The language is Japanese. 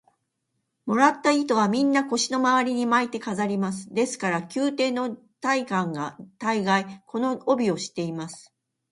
もらった糸は、みんな腰のまわりに巻いて飾ります。ですから、宮廷の大官は大がい、この帯をしています。